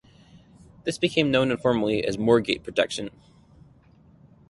This became known informally as Moorgate protection.